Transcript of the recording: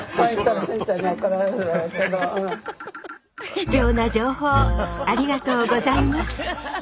貴重な情報ありがとうございます。